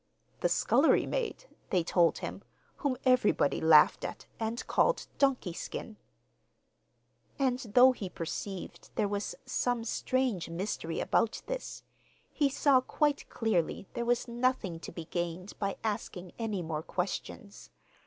The scullery maid, they told him, whom everybody laughed at, and called 'Donkey Skin;' and though he perceived there was some strange mystery about this, he saw quite clearly there was nothing to be gained by asking any more questions.